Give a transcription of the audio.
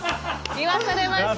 言わされました。